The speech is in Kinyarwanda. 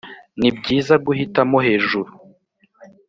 nibyiza guhitamo hejuru